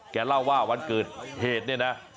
แกเล่าว่าวันเกิดเหตุเนี่ยนะ